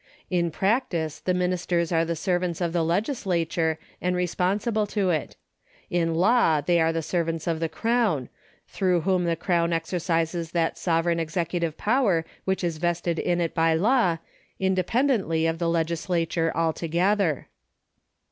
In practice the ministers are the servants of the legislature and responsible to it. In law they are the servants of the Crown, through whom the Crown exercises that sovereign executive power which is vested in it by law, independently of the legislature altogether.